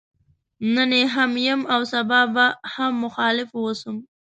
نن يې هم يم او سبا به هم مخالف واوسم.